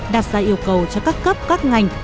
đạt ra yêu cầu cho các cấp các ngành